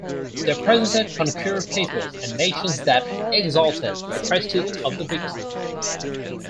They presented conquered peoples and nations that exalted the prestige of the victor.